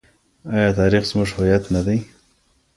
آیا تاریخ زموږ هویت نه دی؟